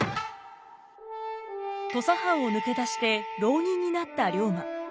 土佐藩を抜け出して浪人になった龍馬。